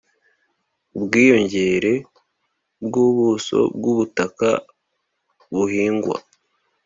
ubwiyongere bw'ubuso bw'ubutaka buhingwa